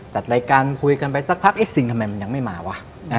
จัดรายการคุยกันไปสักพักเอ๊ะซิงทำไมมันยังไม่มาวะ